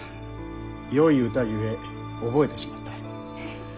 よい歌ゆえ覚えてしもうた。